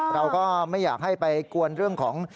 เราก็ไม่อยากให้ไปกวนเรื่องของ